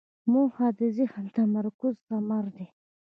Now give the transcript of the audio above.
موخه د ذهن د تمرکز ثمره ده.